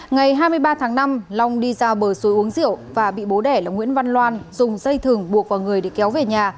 ngày hai mươi ba tháng năm long đi ra bờ suối uống rượu và bị bố đẻ là nguyễn văn loan dùng dây thừng buộc vào người để kéo về nhà